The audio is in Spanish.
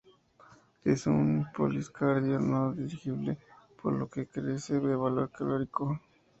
Es un polisacárido no digerible, por lo que carece de valor calórico